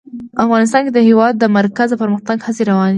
افغانستان کې د د هېواد مرکز د پرمختګ هڅې روانې دي.